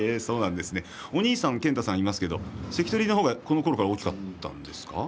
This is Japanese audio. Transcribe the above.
お兄さんの健太さんは関取の方がこのころから大きかったんですか？